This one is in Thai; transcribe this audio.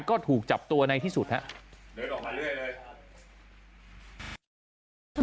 ก็ถูกจับตัวในที่สุดครับ